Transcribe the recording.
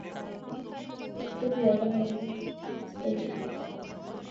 বৃষ্টির সহিত পতিত হইয়া তাঁহারা কোন শস্যকে আশ্রয় করিয়া থাকেন।